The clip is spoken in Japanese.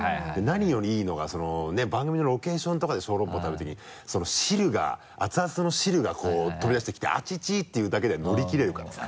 何よりいいのがそのね番組のロケーションとかで小籠包食べる時にその汁が熱々の汁がこう飛び出してきて「あちち！」って言うだけで乗り切れるからさ。